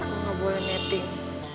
gue gak boleh netting